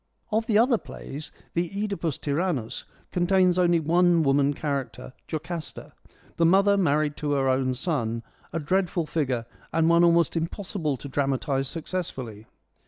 Of the other plays, the CEdipus Tyrannus contains only one woman character — Jocasta ; the mother married to her own son, a dreadful figure, and one almost impossible to dramatise successfully.